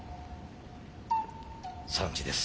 ３時です。